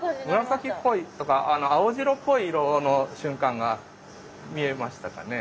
紫っぽいとか青白っぽい色の瞬間が見えましたかね？